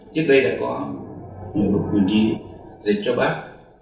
trước đây đã có nhiều lục quyền ghi dịch cho bác